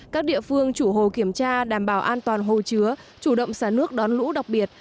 các địa phương chủ hồ kiểm tra đảm bảo an toàn hồ chứa chủ động xả nước đón lũ đặc biệt